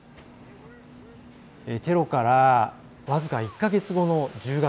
テロから僅か１か月後の１０月。